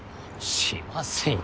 しませんよ。